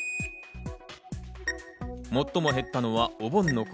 最も減ったのはお盆の頃。